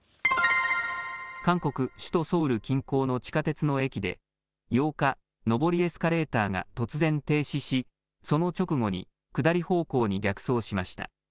韓国首都ソウル近郊の地下鉄の駅で８日、上りエスカレーターが突然停止しその直後に下り方向に逆走しました。